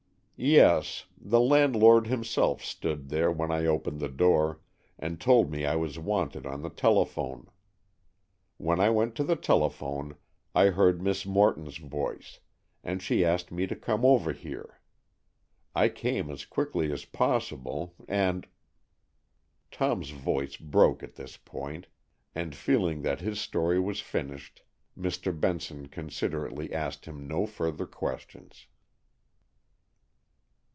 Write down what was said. "Yes. The landlord himself stood there when I opened the door, and told me I was wanted on the telephone. When I went to the telephone I heard Miss Morton's voice, and she asked me to come over here. I came as quickly as possible, and——" Tom's voice broke at this point, and, feeling that his story was finished, Mr. Benson considerately asked him no further questions.